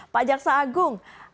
pak jaksa agung